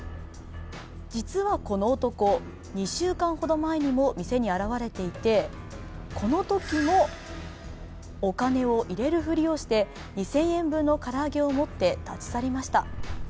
実はこの男、２週間ほど前にも店に現れていてこのときも、お金を入れるふりをして２０００円分の唐揚げを持って立ち去りました。